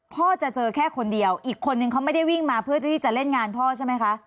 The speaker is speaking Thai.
พ่อจะเจอแค่คนเดียวอีกคนนึงเขาไม่ได้วิ่งมาเพื่อที่จะเล่นงานพ่อใช่ไหมคะ